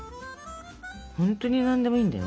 ほんとに何でもいいんだよ。